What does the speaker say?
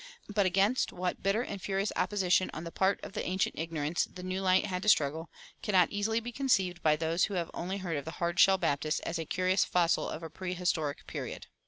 But against what bitter and furious opposition on the part of the ancient ignorance the new light had to struggle cannot easily be conceived by those who have only heard of the "Hard Shell Baptist" as a curious fossil of a prehistoric period.